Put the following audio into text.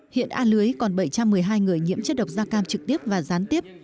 hiện a lưới còn bảy trăm một mươi hai người nhiễm chất độc da cam trực tiếp và gián tiếp